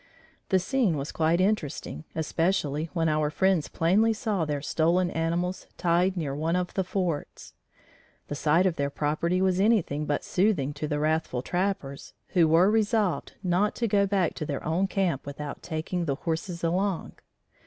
The scene was quite interesting, especially when our friends plainly saw their stolen animals tied near one of the forts. The sight of their property was anything but soothing to the wrathful trappers, who were resolved not to go back to their own camp without taking the horses along.